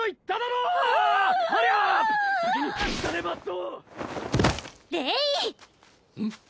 うん？